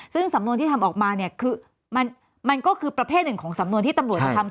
ซึ่งสำนวนที่ทำออกมาเนี่ยคือมันก็คือประเภทหนึ่งของสำนวนที่ตำรวจจะทำ